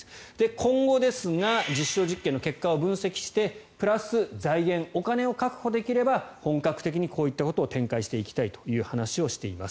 今後ですが実証実験の結果を分析してプラス財源、お金を確保できれば本格的にこういったことを展開していきたいという話をしています。